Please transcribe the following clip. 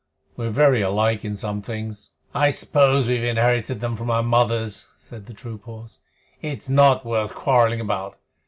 "We're very alike in some things." "I suppose we've inherited them from our mothers," said the troop horse. "It's not worth quarreling about.